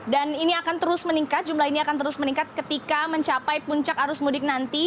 dan jumlah ini akan terus meningkat ketika mencapai puncak arus mudik nanti